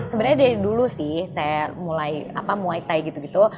sebenarnya dari dulu sih saya mulai muay thai gitu gitu